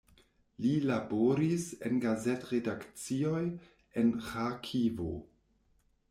Li laboris en gazet-redakcioj en Ĥarkivo.